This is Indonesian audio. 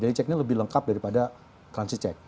check ini lebih lengkap daripada transit check